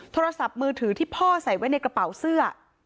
โทรศัพท์มือถือที่พ่อใส่ไว้ในกระเป๋าเสื้อ